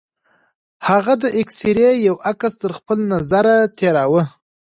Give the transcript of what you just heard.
هغه د اکسرې يو عکس تر خپل نظره تېراوه.